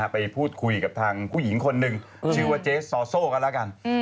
ไปพูดคุยกับทางผู้หญิงคนหนึ่งชื่อว่าเจ๊ซอโซ่กันแล้วกัน